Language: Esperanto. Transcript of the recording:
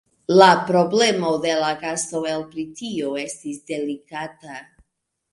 La problemo de la gasto el Britio estis delikata.